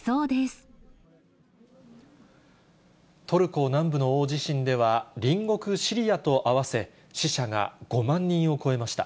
トルコ南部の大地震では、隣国シリアと合わせ、死者が５万人を超えました。